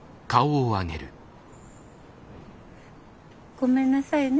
ごめんなさいね。